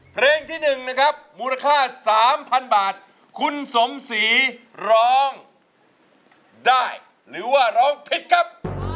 เพลงที่๑นะครับมูลค่า๓๐๐๐บาทคุณสมศรีร้องได้หรือว่าร้องผิดครับ